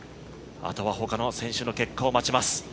あとは他の選手の結果を待ちます。